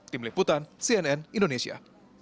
tim liputan cnn indonesia